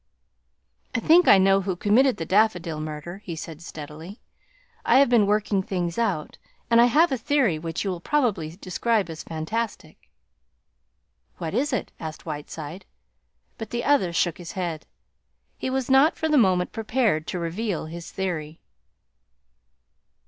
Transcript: "I think I know who committed the Daffodil Murder," he said steadily. "I have been working things out, and I have a theory which you would probably describe as fantastic." "What is it?" asked Whiteside, but the other shook his head. He was not for the moment prepared to reveal his theory.